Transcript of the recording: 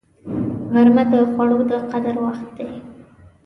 غرمه د خوړو د قدر وخت دی